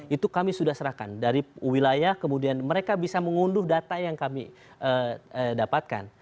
itu kami sudah serahkan dari wilayah kemudian mereka bisa mengunduh data yang kami dapatkan